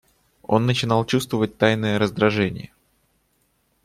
Он начинал чувствовать тайное раздражение.